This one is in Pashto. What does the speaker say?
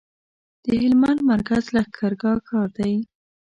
د هلمند مرکز لښکرګاه ښار دی